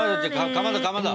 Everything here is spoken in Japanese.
かまどかまど。